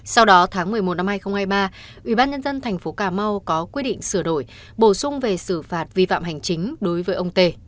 sau đó tháng một mươi một năm hai nghìn hai mươi ba ủy ban nhân dân thành phố cà mau có quyết định sửa đổi bổ sung về xử phạt vi phạm hành chính đối với ông tê